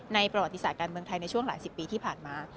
ประวัติศาสตร์การเมืองไทยในช่วงหลายสิบปีที่ผ่านมา